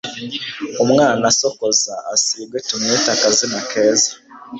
umwana asokoze asigwe tumwite akazina keza